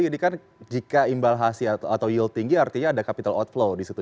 jadi kan jika imbal hasil atau yield tinggi artinya ada capital outflow di situ